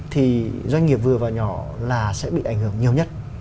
thì doanh nghiệp vừa và nhỏ là sẽ bị ảnh hưởng nhiều nhất